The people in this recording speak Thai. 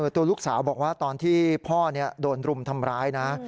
ตัวลูกสาวบอกว่าตอนที่พ่อโดนรุมทำร้ายนะ